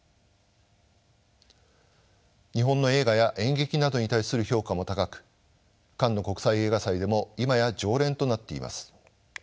日本の映画や演劇などに対する評価も高くカンヌ国際映画祭でも今や常連となっています。